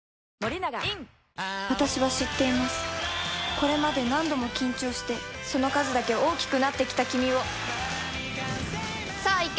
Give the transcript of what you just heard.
これまで何度も緊張してその数だけ大きくなってきたキミをさぁいけ！